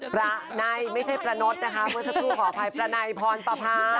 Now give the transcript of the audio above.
ประไนไม่ใช่ประนดนะคะพื้นสัตว์ของพลายประไนพรปภา